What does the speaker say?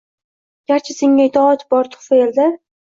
Garchi Senga itoat bor turfa elda